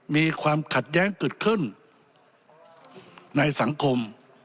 มีความขัดแย้งเกิดขึ้นในสังคม